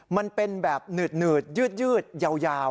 มันเป็นแบบหนืดยืดยาว